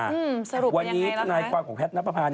สรุปเป็นอย่างไรแล้วคะวันนี้นายกว่าของแพทน์นับประพา